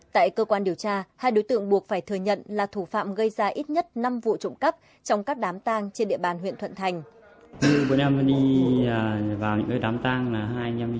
tại cơ quan điều tra hai đối tượng buộc phải thừa nhận là thủ phạm gây ra ít nhất năm vụ trộm cắp trong các đám tàng trên địa bàn huyện thuận thành